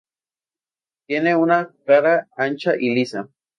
Tiene una cara ancha y lisa.